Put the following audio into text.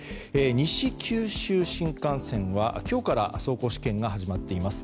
西九州新幹線は今日から走行試験が始まっています。